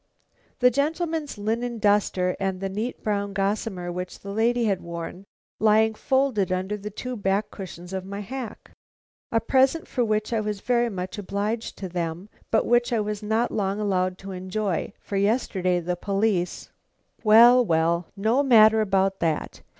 "The gentleman's linen duster and the neat brown gossamer which the lady had worn, lying folded under the two back cushions of my hack; a present for which I was very much obliged to them, but which I was not long allowed to enjoy, for yesterday the police " "Well, well, no matter about that.